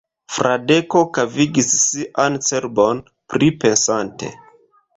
Fradeko kavigis sian cerbon, pripensante.